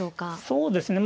そうですね。